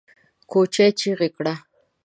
کوچي چيغه کړه!